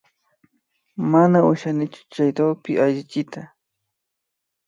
Mana ushanichu chay DOCSpi allichiyta